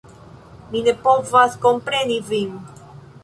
Mi ne povas kompreni vin.